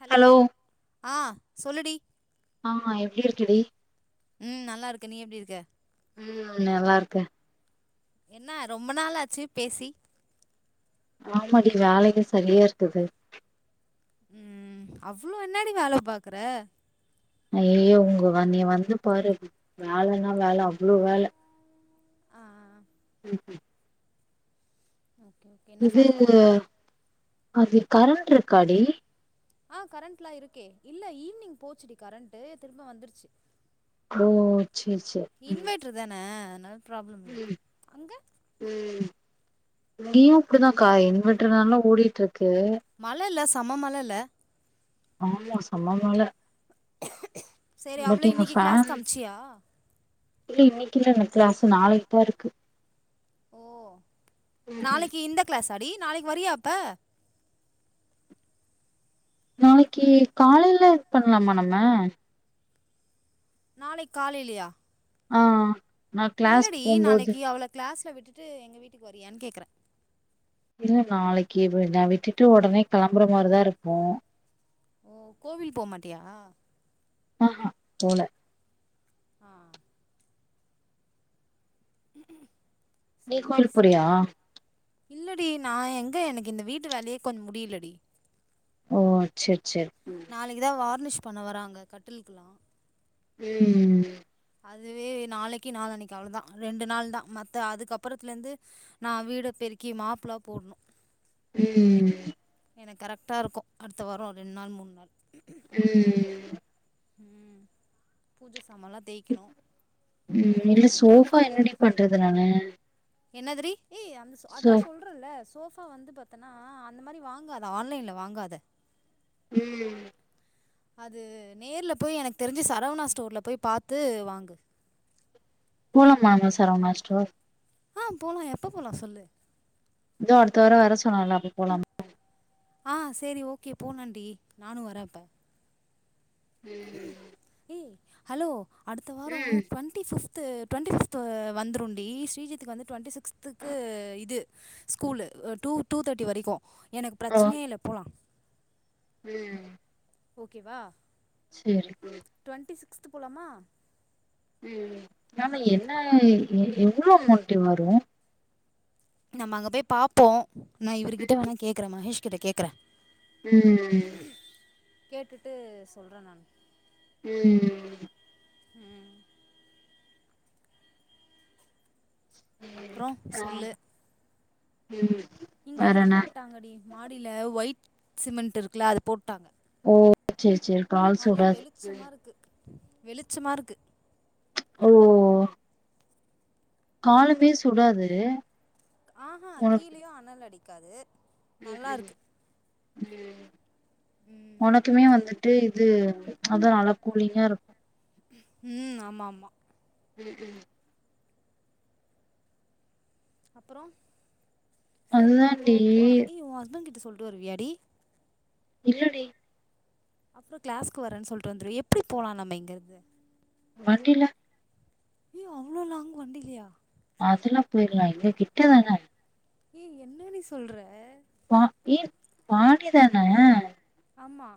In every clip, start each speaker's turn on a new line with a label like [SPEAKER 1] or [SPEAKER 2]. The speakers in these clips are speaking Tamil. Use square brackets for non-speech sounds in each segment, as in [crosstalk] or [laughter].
[SPEAKER 1] ஹலோ ஆ சொல்லுடி
[SPEAKER 2] ஆ ஆ எப்டி இருக்கடி
[SPEAKER 1] ம் நல்லாருக்கே நீ எப்டி இருக்க
[SPEAKER 2] ம் நல்லாருக்கே
[SPEAKER 1] என்ன ரொம்ப நாளாச்சு பேசி
[SPEAKER 2] ஆமா டி வேலயே சரியாருக்குது
[SPEAKER 1] ம் அவ்ளோ என்னா டி வேல பாக்ற
[SPEAKER 2] ஐயோ உங்க வ நீ வந்து பாரு வேலைன்னா வேல அவ்ளோ வேல
[SPEAKER 1] அ அ அ
[SPEAKER 2] ம் ம்
[SPEAKER 1] ஓகே ஓகே என்ன
[SPEAKER 2] இது
[SPEAKER 1] சாப்ட்ட
[SPEAKER 2] அது கரண்ட்ருக்காடி
[SPEAKER 1] ஆ கரண்ட்லா இருக்கே இல்ல ஈவினிங் போச்சுடி கரண்ட்டு திரும்ப வந்துருச்சு
[SPEAKER 2] ஓ சேர் சேர் ம்
[SPEAKER 1] ட்ரு தான அதனால ப்ராப்ளம் இல்ல
[SPEAKER 2] ம்
[SPEAKER 1] அங்க
[SPEAKER 2] ம் இங்கியு அப்டிதாக்கா இன்வெர்டர்னால ஓடிட்ருக்கு
[SPEAKER 1] மழ இல்ல செம மழ இல்ல
[SPEAKER 2] ஆமா செம மழ
[SPEAKER 1] சேரி அவள
[SPEAKER 2] பட் இங்க
[SPEAKER 1] இன்னைக்கு
[SPEAKER 2] ஃபேன்
[SPEAKER 1] கிளாஸ்க்கு அம்ச்சியா
[SPEAKER 2] இல்ல இன்னிக் இல்ல எனக் க்ளாசு நாளைக்ப்பா இருக்கு
[SPEAKER 1] ஓ நாளைக்கு இந்த க்ளாஸாடி நாளைக்கு வரியா அப்ப
[SPEAKER 2] நாளைக்கி காலைல இது பண்லாமா நம்ம
[SPEAKER 1] நாளைக் காலைலியா
[SPEAKER 2] ஆ நா கிளாஸ்
[SPEAKER 1] இல்லடி
[SPEAKER 2] போம்போது
[SPEAKER 1] நாளைக்கு அவள க்ளாஸ்ல விட்டுட்டு எங்க வீட்டுக்கு வரியான் கேக்குறே
[SPEAKER 2] இல்ல நாளைக்கு இவுன விட்டுட்டு ஒடனே கெளம்ற மாரிதா இருப்போ
[SPEAKER 1] ஓ கோவில் போமாட்டியா
[SPEAKER 2] அ ஆ போல
[SPEAKER 1] ஆ
[SPEAKER 2] நீ
[SPEAKER 1] சேரி
[SPEAKER 2] கோய்ல்க்
[SPEAKER 1] சேரி
[SPEAKER 2] போறியா
[SPEAKER 1] இல்லடி நா எங்க எனக்கு இந்த வீட்டு வேலயே கொஞ்ச முடியலடி
[SPEAKER 2] ஓ செர் செர் ம்
[SPEAKER 1] நாளைக்கு தா வார்னிஷ் பண்ண வராங்க கட்டுல் கெலா
[SPEAKER 2] ம்
[SPEAKER 1] அதுவே நாளைக்கு நாளனைக்கு அவ்ள தா ரெண்டு நாள் தா மத்த அதுக்கப்பறத்துல இருந்து நா வீட பெருக்கி மாப்லா போட்ணு
[SPEAKER 2] [unintelligible]
[SPEAKER 1] எனக்கு கரெக்டா இருக்கு அடுத்த வாரோ ரெண்டு நாள் மூணு நாள்
[SPEAKER 2] ம்ம்
[SPEAKER 1] ம் பூஜ சாமால்லா
[SPEAKER 2] ம் இல்ல சோஃபா என்னடி பண்றது நானு
[SPEAKER 1] என்னதுடி ஏ அந்த
[SPEAKER 2] சோ
[SPEAKER 1] அதா சொல் அப்றோ இல்ல சோஃபா வந்து பாத்தன்னா அந்த மாதிரி வாங்காத ஆன்லைன்ல வாங்காத
[SPEAKER 2] ம்
[SPEAKER 1] அது நேர்ல போய் எனக்கு தெரிஞ்சு சரவணா ஸ்டோர்ல போய் பாத்து வாங்கு
[SPEAKER 2] போலாமா அங்க சரவணா ஸ்டோர்
[SPEAKER 1] ஆ போலா எப்ப போலா சொல்லு
[SPEAKER 2] இதோ அடுத்த வர சொன்னால அப்ப போலா
[SPEAKER 1] ஆ செரி ஓகே போலான்டி நானு வரே அப்ப ஏ ஹலோ அடுத்த வாரம்
[SPEAKER 2] ம்
[SPEAKER 1] twenty fifth twenty fifth வந்துருண்டி ஸ்ரீஜித்க்கு வந்து டுவெண்டி சிகஸ்த்துக்கு இது ஸ்கூலு டூ டூ தேர்ட்டி வரைக்கு எனக்கு
[SPEAKER 2] ஓ
[SPEAKER 1] பிரச்சனையே இல்ல போலா
[SPEAKER 2] ம்
[SPEAKER 1] ஓகேவா
[SPEAKER 2] சேர்
[SPEAKER 1] டுவெண்ட்டி சிக்ஸ்த்து போலாமா
[SPEAKER 2] ம் ஆனா என்ன எவ்வளோ அமௌண்ட்டு வரு
[SPEAKER 1] நம்ம அங்க போய் பாப்போ நான் இவருகிட்ட வேணா கேக்குறே மகேஷ் கிட்ட கேக்குறே
[SPEAKER 2] ம்
[SPEAKER 1] கேட்டுட்டு சொல்றே நானு
[SPEAKER 2] ம்
[SPEAKER 1] ம்
[SPEAKER 2] சேரி
[SPEAKER 1] அப்றோ
[SPEAKER 2] ஆ
[SPEAKER 1] சொல்லு
[SPEAKER 2] ம்
[SPEAKER 1] இங்க
[SPEAKER 2] வேற
[SPEAKER 1] இது
[SPEAKER 2] என்ன
[SPEAKER 1] போட்டாங்கடி மாடில ஒயிட் சிமெண்ட் இருக்குல்ல அது போட்டாங்க
[SPEAKER 2] ஓ செரி செரி கால் சுடாது
[SPEAKER 1] வெளிச்சமா இருக்கு
[SPEAKER 2] ஓ காலுமே சுடாது
[SPEAKER 1] ஆஹா கீழயு அனல் அடிக்காது
[SPEAKER 2] ம்
[SPEAKER 1] நல்லா இருக்குது
[SPEAKER 2] ம் செரி உனக் குமே வந்துட்டு இது அதா நல்லா கூலிங்கா இருக்
[SPEAKER 1] ம் ஆமா ஆமா
[SPEAKER 2] ம் ம்
[SPEAKER 1] அப்பறோ செரி அப்போ
[SPEAKER 2] அதுதான்டி
[SPEAKER 1] போ ஏ உன் ஹஸ்பண்ட் கிட்ட சொல்ட்டு வருவியாடி
[SPEAKER 2] இல்லடி
[SPEAKER 1] அப்றோ கிளாஸ்க்கு வரன் சொல்லிட்டு வந்துரு எப்படி போலா நம்ம இங்கருந்து
[SPEAKER 2] வண்டில
[SPEAKER 1] ஏ அவ்ளோ லாங் வண்டிலயா
[SPEAKER 2] அதெல்லா போயிர்லா இங்க கிட்டதானே
[SPEAKER 1] ஏ என்னடி சொல்ற
[SPEAKER 2] பா ஏ மாடிதான
[SPEAKER 1] அம்மா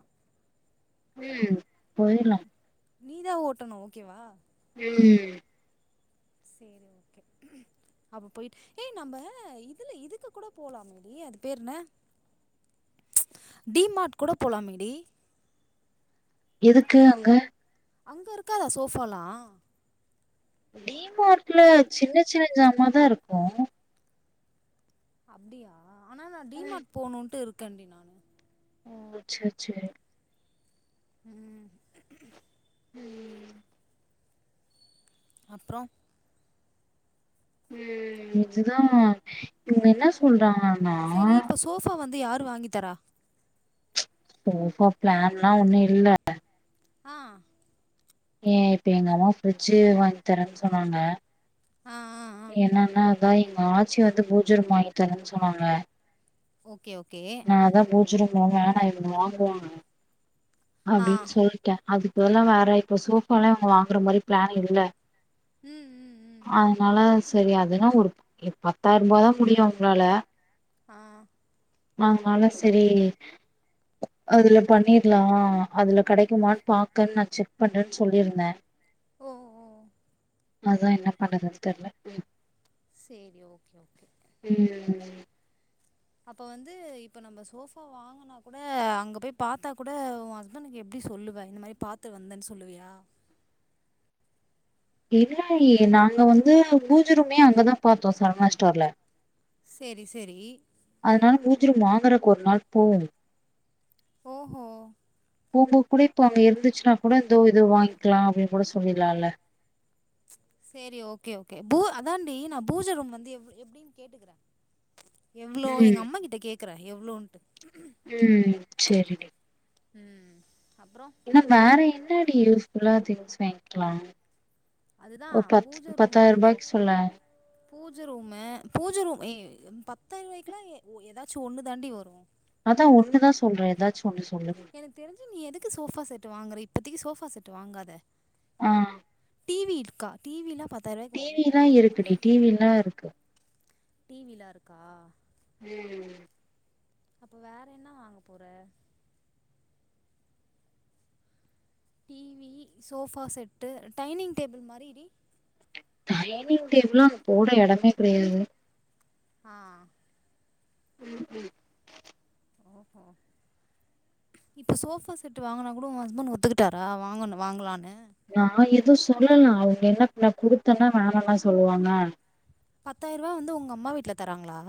[SPEAKER 2] ம் போயர்லாம்
[SPEAKER 1] நீதா ஓட்டணு ஓகேவா
[SPEAKER 2] ம்
[SPEAKER 1] சேரி ஓகே அப்ப போயிட்டு ஏய் நம்ப இதுல இதுக்கு கூட போலாமேடி அது பேரு என்ன டி மார்ட் கூட போலாமேடி
[SPEAKER 2] எதுக்கு அங்க
[SPEAKER 1] அங்க இருக்காதா சோஃபாலா
[SPEAKER 2] டி மார்ட்ல சின்ன சின்ன ஜாமாதா இருக்கு
[SPEAKER 1] அப்டியா ஆனா நா டி மார்ட் போனுன்ட்டு இருக்கேன்டி நானு
[SPEAKER 2] ஓ சேச்சே
[SPEAKER 1] ம்
[SPEAKER 2] ம்
[SPEAKER 1] அப்றோ
[SPEAKER 2] ம் இதுதா இவுங்க என்ன சொல்றாங்க
[SPEAKER 1] சேரி இப்ப சோஃபா வந்து யாரு வாங்கித்தரா
[SPEAKER 2] சோஃபா பிளேன்லா ஒன்னு இல்ல
[SPEAKER 1] ஆ
[SPEAKER 2] ஏ இப்ப எங்க அம்மா பிரிட்ஜ்ஜூ வாங்கி தரேன் சொன்னாங்க
[SPEAKER 1] ஆ ஆ ஆ
[SPEAKER 2] என்னனா தா எங்க ஆச்சி வந்து பூஜ ரூம் வாங்கித்தரன் சொன்னாங்க
[SPEAKER 1] ஓகே ஓகே
[SPEAKER 2] நா அதா பூ ஜ ரூம்லா வேணா இவுங்க வாங்குவாங்க
[SPEAKER 1] ஆ
[SPEAKER 2] அப்டின் சொல்ட்டே அதுக் வதுலா வேறக் இப்போ சோஃபாலா இவுங்க வாங்கற மாரிப் பிளேனே இல்ல
[SPEAKER 1] ம் ம் ம்
[SPEAKER 2] அதனால செரி அதுனா ஒருப் இப் பத்தாயிரபாதா முடியு அவுங்ளால
[SPEAKER 1] ஆ
[SPEAKER 2] மாங்னால செரி அதுலேப் பண்ணிர்லா அதுல கடைக்குமான் பாக்கன் நா செக் பண்றேன் சொல்லிருந்தே
[SPEAKER 1] ஓ ஓ
[SPEAKER 2] அதா என்னப் பண்ணதுன் தெர்ல
[SPEAKER 1] சேரி ஓகே ஓகே
[SPEAKER 2] ம் ம் ம்
[SPEAKER 1] அப்ப வந்து இப்ப நம்ம சோஃபா வாங்கன் னாக் கூட அங்கப் போய் பாத்தா கூட உ ஹஸ்பணுக்கு எப்டி சொல்லுவே இந்த மாரி பாத்த வந்தேன் சொல்லுவியா
[SPEAKER 2] இல்லயே நாங்க வந்து வூஜ ரூமே அங்கதாம் பாத்தோ சரவணாஸ் ஸ்டோர்ல
[SPEAKER 1] செரி செரி
[SPEAKER 2] அதனால மூஜ ரூம் வாங்கறக் ஒரு நாள்ப் போவோ
[SPEAKER 1] ஓஹோ
[SPEAKER 2] போம்போக் கூட இப்போ அங்க இருந்துச்சுனாக் கூட இந்தோ இதோ வாய்ங்க்கிலா அப்டின் கூட சொல்லில்லா இல்ல
[SPEAKER 1] சேரி ஓகே ஓகே பூ அதாண்டி நா பூஜ ரூம் வந்து எப் எப்டின் கேட்டுகறே எவ்ளோ எங்க
[SPEAKER 2] ம்
[SPEAKER 1] அம்மா கிட்ட கேக்கறே எவ்ளோன்ட்டு
[SPEAKER 2] ம் செரிடி
[SPEAKER 1] ம் அப்றோ
[SPEAKER 2] இன்னம் வேற என்னாடி யூஸ் ஃபுல்லா திங்ஸ் வாய்ங்க்லா
[SPEAKER 1] அதுதான்
[SPEAKER 2] ஒக் பத்து பத்தாயிரபாய்க்கு சொல்லே
[SPEAKER 1] பூஜ ரூமு பூஜ ரூம் ஏ பத்தாயிரெ ரூபாய்க்குலா ஏதாச்சு ஒன்னு தாண்டி வரூ
[SPEAKER 2] அதா ஒண்ணுதா சொல்றே ஏதாச்செ ஒன்னு சொல்லு
[SPEAKER 1] எனக்கு தெரிஞ்சு நீ எதுக்கு சோஃபா செட்டு வாங்குற இப்போதக்கி சோஃபா செட்டு வாங்காத
[SPEAKER 2] ஆ
[SPEAKER 1] டிவி இருக்கா டிவிலா பத்தாயிரூவாய்க்கு வரவே வராது
[SPEAKER 2] டிவிலன்னாருக்
[SPEAKER 1] டிவிலாருக்கா
[SPEAKER 2] ம்
[SPEAKER 1] அப்போ வேற என்ன வாங்க போற TV sofa set dining table மாரிடி
[SPEAKER 2] டைனிங் டேபுள்ளா அங் போட எடமே கடையாது
[SPEAKER 1] ஆ
[SPEAKER 2] ம் ஹூம்
[SPEAKER 1] ஹ் ஹூங் இப்போ சோஃபா செட் வாங்குனா கூட உங் ஹஸ்பண்ட் ஒத்துக்கிட்டாரா வாங்குன வாங்கலான்னு
[SPEAKER 2] நா எதுவூ சொல்லல அவங்க என்ன ன்ன குடுத்தேன்னா வேணானா சொல்லுவாங்க
[SPEAKER 1] பத்தாயிரூபா வந்து உங்க அம்மா வீட்ல தராங்களா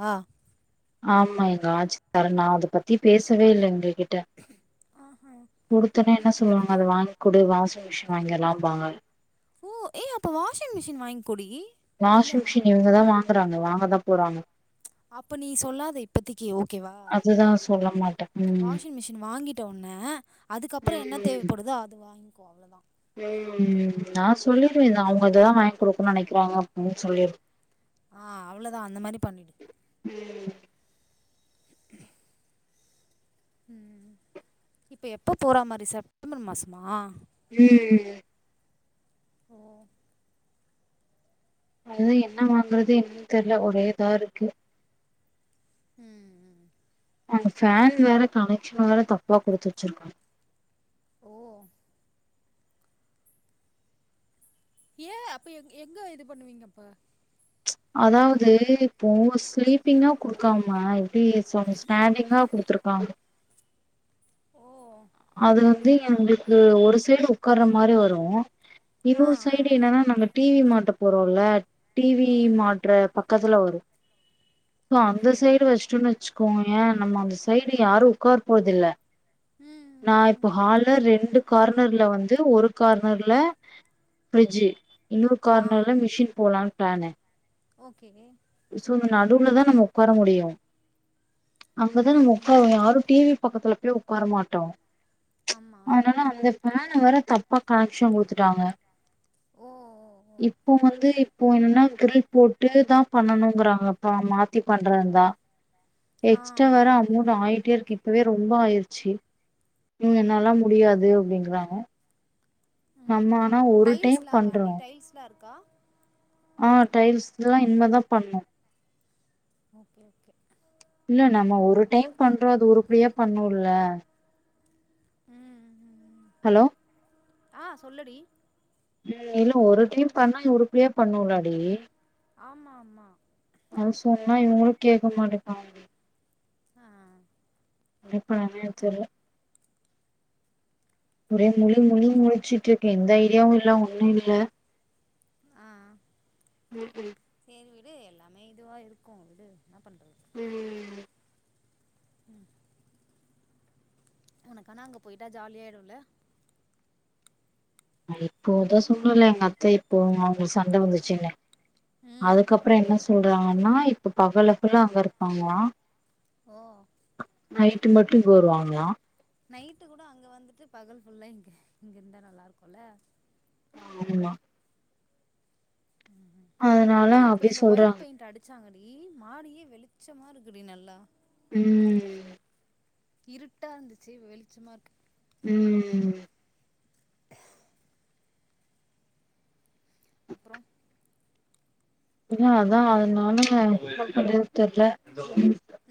[SPEAKER 2] ஆமா எங்க ஆச்சி தரேன்னா நா அத பத்தி பேசவே இல்ல இவங்க கிட்ட குடுத்துட்னே என்ன சொல்லுவாங்க அத வாங்குடு வாஷிங் மிஷின் வாங்கிலாம்பாங்க
[SPEAKER 1] ஓ ஏ அப்போ வாஷிங் மிஷின் வாங்கிக்கோடி
[SPEAKER 2] வாஷிங் மிஷின் இவங்கதா வாங்குறாங்க வாங்கதா போறாங்க
[SPEAKER 1] அப்போ நீ சொல்லாத இப்பத்தக்கி ஓகேவா
[SPEAKER 2] அதுதா சொல்ல மாட்டே ம்
[SPEAKER 1] வாஷிங் மிஷின் வாங்கிட்ட உட்னே அதுக்கப்புறோ என்ன
[SPEAKER 2] ம்
[SPEAKER 1] தேவப்படுதோ அத வா ங்கோ அவ்ள தா
[SPEAKER 2] ம் நா சொல்லிடுவே இது அவங்க இததா வாங்கி் கொடுக்கனுன்னு நினைக்கிறாங்க அப்படின் சொல்லிடு
[SPEAKER 1] ஆ அவ்ளோதா அந்த மாரி பண்ணிடு
[SPEAKER 2] ம்
[SPEAKER 1] ம் ம் இப்ப எப்போ போற மாரி செப் டம்பர் மாசமா
[SPEAKER 2] ம் ம் ம்
[SPEAKER 1] ஓ
[SPEAKER 2] அதெ என்ன வாங்குறது என்னன்னு தெர்ல ஒரே இதா இருக்கு
[SPEAKER 1] ம்
[SPEAKER 2] அங்க ஃபேன் வேற கனெக்ஷன் வேற தப்பா கொடுத்து வச்சிருக்கா
[SPEAKER 1] ஓ ஏ அப்ப எங் எங்க இது பண்ணுவீங்க அப்பெ
[SPEAKER 2] அதாவது இப்போ ஸ்லீப்பிங்கா குடுக்காம டீவீஸ் ஒன்னூ ஸ்டேண்டிங்கா கொடுத்துருக்காங்க
[SPEAKER 1] ஓ
[SPEAKER 2] அது வந்து எங்களுக்கு ஒரு சைடு உட்கார்ற மாரி வரோ
[SPEAKER 1] ஆ
[SPEAKER 2] இன்னொரு
[SPEAKER 1] ஆ
[SPEAKER 2] சைடு
[SPEAKER 1] ஆ
[SPEAKER 2] என்னன்னா நம்ப டிவி மாட்ட போறோல்ல டிவி
[SPEAKER 1] ம்
[SPEAKER 2] மாட்டுற பக்கத்துல வரூ சோ
[SPEAKER 1] ஓகே
[SPEAKER 2] அந்த
[SPEAKER 1] ஓகே
[SPEAKER 2] சைடு வச்சுட்டோ வச்சுக் கோயே நம்ம அந்த சைடு யாரூ உக்கார் போற்தில்ல
[SPEAKER 1] ம்
[SPEAKER 2] நான்
[SPEAKER 1] ம்
[SPEAKER 2] இப்போ
[SPEAKER 1] ம்
[SPEAKER 2] ஹால்ல ரெண்டு கார்னர்ல வந்து ஒரு கார்னர்ல பிரிட்ஜூ இன்னொரு
[SPEAKER 1] ஆ
[SPEAKER 2] கார்னர்ல மிஷன் போலான்னு ப்ளானு
[SPEAKER 1] ஓகே
[SPEAKER 2] சோ இந்த நடுவுலதான் நம்ம உக்கார முடியும் அங்கதான்
[SPEAKER 1] ம்
[SPEAKER 2] நம்ம
[SPEAKER 1] ம்
[SPEAKER 2] உக்காருவோ யாரும் டி வி பக்கத்துல போய் உக்கார மாட்டோம்
[SPEAKER 1] ஆமா
[SPEAKER 2] அதனால அந்த பேஃன் வேற தப்பா கனெக்ஷன் கொடுத்துட்டாங்க
[SPEAKER 1] ஓ ஓ ஓ
[SPEAKER 2] இப்போ வந்து இப்போ என்னன்னா கிரில் போட்டு தான் பண்ணணுங்கறாங்கப்ப மாத்தி பண்றதாருந்தா
[SPEAKER 1] ஆ
[SPEAKER 2] எக்ஸ்ட்ரா
[SPEAKER 1] ஆ
[SPEAKER 2] வேர அமௌண்ட் ஆயிட்டேருக்கு இப்பவே ரொம்ப ஆயிருச்சு உ என்னல்லாம் முடியாது அப்டிங்கறாங்க நம்ம ஆனா ஒரு டைம் பண்றோம்
[SPEAKER 1] டைல்ஸ்லாம் இருக்கா
[SPEAKER 2] ஆ டைல்ஸ்லாம் இனமேதான் பண்ணும்
[SPEAKER 1] ஓகே ஓகே
[SPEAKER 2] இல்ல நம்ம ஒரு டைம் பண்றோம் அது உருபடியா பண்ணுல்ல
[SPEAKER 1] ம் ம்
[SPEAKER 2] ஹலோ
[SPEAKER 1] ஆ சொல்லுடி
[SPEAKER 2] ம் இல்ல ஒரு டீம் பண்ணா உருப்டியா பண்ணுல்லடி
[SPEAKER 1] ஆமா ஆமா
[SPEAKER 2] அது சொன்னா இவங்களும் கேக்க மாட்டேங்ராங்க
[SPEAKER 1] ஆ ஆ
[SPEAKER 2] இப்ப நானே வச்சரே ஒரே முழி முழி முழுச்சிட்டு இருக்கேன் எந்த ஐடியாவும் இல்லா ஒண்ணும் இல்ல ம் ம்
[SPEAKER 1] செரி விடு எல்லாமே இதுவா இருக்கும் விடு என்ன பண்றது
[SPEAKER 2] ம்
[SPEAKER 1] ம் எனக்கானா அங்க போயிட்டா ஜாலியாயிடும்ல
[SPEAKER 2] இப்போதான் சொன்னேல்ல எங்க அத்தை இப்போ அவங்களுக்கு சண்டை வந்துச்சுன்னு
[SPEAKER 1] ம்
[SPEAKER 2] அதுக்கப்றம் என்ன
[SPEAKER 1] ஆமா
[SPEAKER 2] சொல்றாங்கன்னா இப்ப பகலுக்குள்ள அங்கருப்பாங்களா
[SPEAKER 1] ஓ
[SPEAKER 2] நைட்டு மட்டும் இங்க வருவாங்ளா
[SPEAKER 1] நைட்டு கூட அங்க வந்துட்டு பகல் ஃபுல்லா இங்க இங்கருந்தா நல்லாருக்குல்ல
[SPEAKER 2] ஆமா அதுனால அப்டி சொல்றாங்க
[SPEAKER 1] ச்சாங்கடி மாடியே வெளிச்சமாருக்குடி நல்லா
[SPEAKER 2] ம் ம்
[SPEAKER 1] இருட்டாந்துச்சு வெளிச்சமாருக்கு
[SPEAKER 2] ம் ம் ம்
[SPEAKER 1] அப்றோம்
[SPEAKER 2] இதா அதான் அதுனால [unintelligible] தெர்ல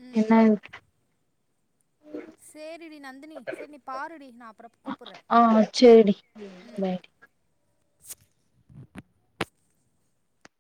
[SPEAKER 1] ம் ம்
[SPEAKER 2] என்னதுக்கு
[SPEAKER 1] சேரிடி நந்தினி சேரி நீ பாருடி நா அப்றோம் கூப்புர்றேன்
[SPEAKER 2] அ சேர் சேர்டி பைடி